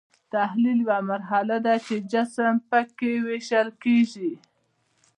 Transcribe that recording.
تحلیل یوه مرحله ده چې جسم پکې ویشل کیږي.